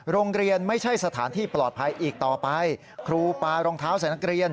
ไม่ใช่สถานที่ปลอดภัยอีกต่อไปครูปารองเท้าใส่นักเรียน